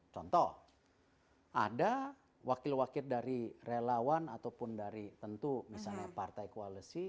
contoh ada wakil wakil dari relawan ataupun dari tentu misalnya partai koalisi